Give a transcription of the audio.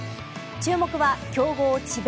注目は強豪・智弁